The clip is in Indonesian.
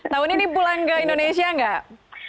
tahun ini pulang ke indonesia nggak